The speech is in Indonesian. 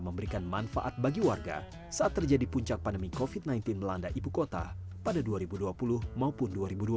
memberikan manfaat bagi warga saat terjadi puncak pandemi kofit sembilan belas melanda ibu kota pada dua ribu dua puluh maupun